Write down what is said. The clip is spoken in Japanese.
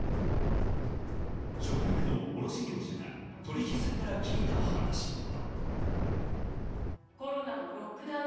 食肉の卸売業者が取引先から聞いた話では。